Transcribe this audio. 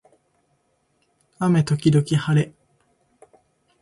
雨時々はれ